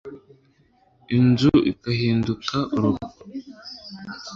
inzu ikahinduka urugo